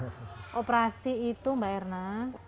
nah operasi itu mbak erna